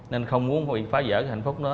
nên không muốn phá vỡ hạnh phúc đó